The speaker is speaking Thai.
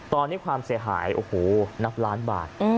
ตอนนี้ความเสียหายโอ้โหนับล้านบาท